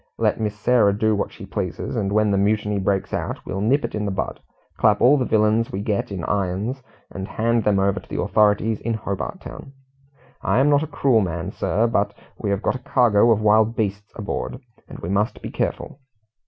Let Miss Sarah do what she pleases, and when the mutiny breaks out, we will nip it in the bud; clap all the villains we get in irons, and hand them over to the authorities in Hobart Town. I am not a cruel man, sir, but we have got a cargo of wild beasts aboard, and we must be careful."